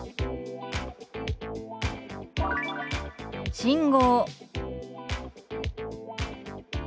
「信号」。